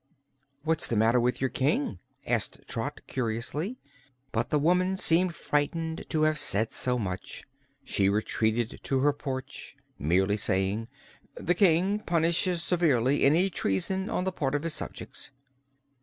"What's the matter with your King?" asked Trot, curiously. But the woman seemed frightened to have said so much. She retreated to her porch, merely saying: "The King punishes severely any treason on the part of his subjects."